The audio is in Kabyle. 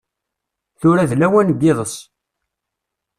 Tura d lawan n yiḍes.